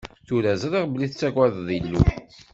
Tura, ẓriɣ belli tettagadeḍ Illu.